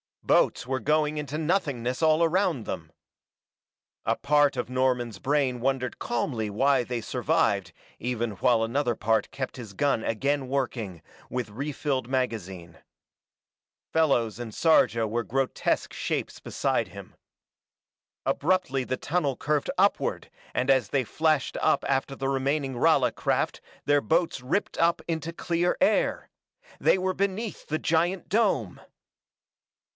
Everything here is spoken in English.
Boats were going into nothingness all around them. A part of Norman's brain wondered calmly why they survived even while another part kept his gun again working, with refilled magazine. Fellows and Sarja were grotesque shapes beside him. Abruptly the tunnel curved upward and as they flashed up after the remaining Rala craft their boats ripped up into clear air! They were beneath the giant dome!